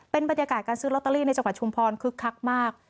เป็นบรรยากาศการซื้อลอตเตอรี่ในจังหวัดชุมพรคึกคักมาก